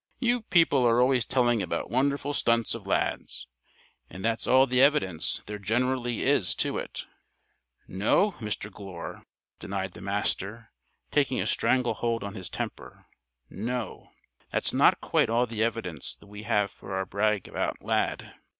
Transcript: You people are always telling about wonderful stunts of Lad's. And that's all the evidence there generally is to it." "No, Mr. Glure," denied the Master, taking a strangle hold on his temper. "No. That's not quite all the evidence that we have for our brag about Lad.